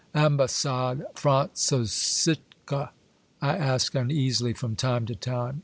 ''Ambassad Frajitzsosiche f I asked uneasily from time to time.